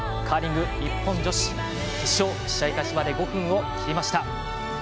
カーリング日本女子決勝の試合開始まで５分を切りました。